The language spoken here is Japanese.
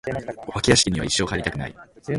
お化け屋敷には一生入りたくない。